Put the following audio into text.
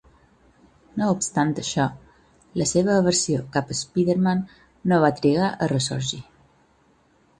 No obstant això, la seva aversió cap a Spiderman no va trigar a ressorgir.